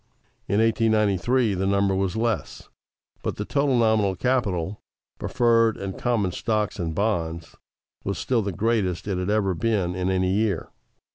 In 1893, the number was less, but the total nominal capital (preferred and common stocks and bonds) was still the greatest it had ever been in any year.